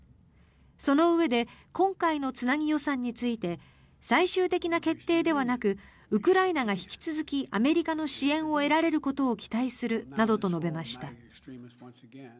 そのうえで今回のつなぎ予算について最終的な決定ではなくウクライナが引き続きアメリカの支援を得られることを期待するなどと述べました。